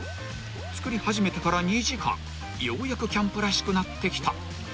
［作り始めてから２時間ようやくキャンプらしくなってきた］